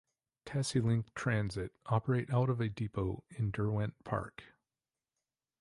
Tassielink Transit operate out of a depot in Derwent Park.